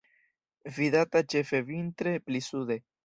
Vidata ĉefe vintre pli sude.